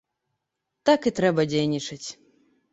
Так трэба і дзейнічаць.